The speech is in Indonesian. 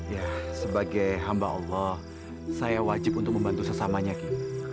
ya sebagai hamba allah saya wajib untuk membantu sesamanya ki